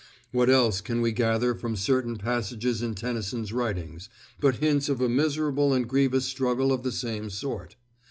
What else can we gather from certain passages in Tennyson's writings, but hints of a miserable and grievous struggle of the same sort?